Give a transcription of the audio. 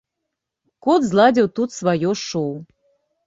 Кот зладзіў тут сваё шоў.